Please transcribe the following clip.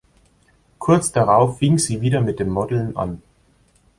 Kurz darauf fing sie wieder mit dem Modeln an.